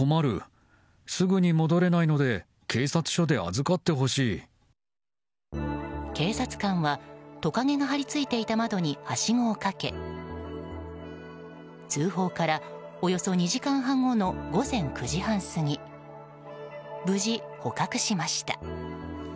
警察官はトカゲが張り付いていた窓にはしごをかけ、通報からおよそ２時間半後の午前９時半過ぎ無事、捕獲しました。